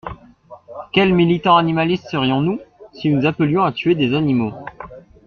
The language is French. Quels militants animalistes serions-nous, si nous appelions à tuer des animaux